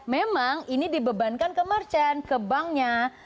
memang ini dibebankan ke merchant ke banknya